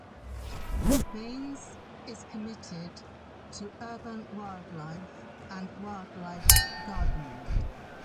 Baines is committed to urban wildlife and wildlife gardening.